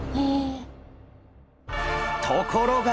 ところが！